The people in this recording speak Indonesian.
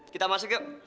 kita masuk yuk